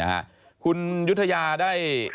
นะฮะคุณยุทยาได้